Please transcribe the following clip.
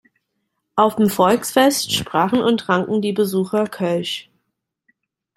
Auf dem Volksfest sprachen und tranken die Besucher Kölsch.